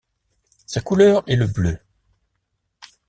Sa couleur est le bleu.